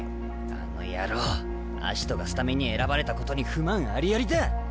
あの野郎アシトがスタメンに選ばれたことに不満ありありだ。